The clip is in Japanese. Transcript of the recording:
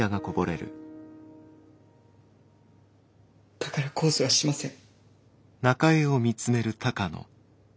だから控訴はしません。